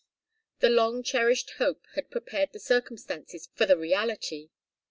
The long cherished hope had prepared the circumstances for the reality.